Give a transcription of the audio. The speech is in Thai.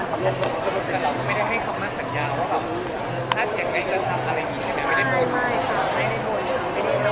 แต่เราก็ไม่ได้ให้คำมั่นสัญญาว่าแบบถ้าเก่งไม่กระทำอะไรอย่างนี้ใช่ไหม